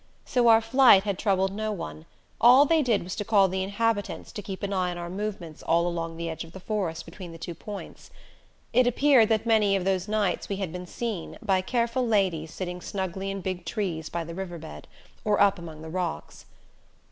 So our flight had troubled no one; all they did was to call the inhabitants to keep an eye on our movements all along the edge of the forest between the two points. It appeared that many of those nights we had been seen, by careful ladies sitting snugly in big trees by the riverbed, or up among the rocks.